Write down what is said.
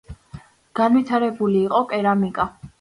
განვითარებული იყო კერამიკა.